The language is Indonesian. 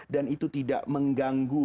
dan itu tidak mengganggu